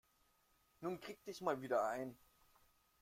Nun krieg dich mal wieder ein.